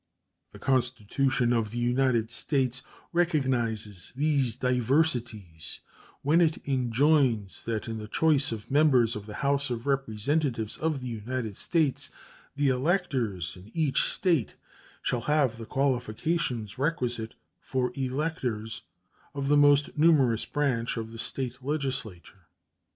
The Constitution of the United States recognizes these diversities when it enjoins that in the choice of members of the House of Representatives of the United States "the electors in each State shall have the qualifications requisite for electors of the most numerous branch of the State legislature."